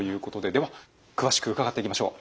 では詳しく伺っていきましょう。